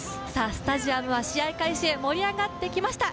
スタジアムは試合開始へ盛り上がってきました。